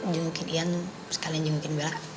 jungguin ian sekalian jungguin bella